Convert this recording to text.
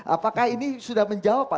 apakah ini sudah menjawab pak